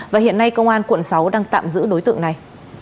và hiện nay công an quận sáu đang tạm giữ đối tượng này